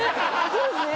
そうですね。